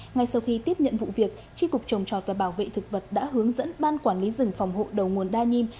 ngay sau khi tiếp nhận vụ việc tri cục trồng trọt và bảo vệ thực vật đã hướng dẫn ban quản lý rừng phòng hộ đầu nguồn đa nhiêm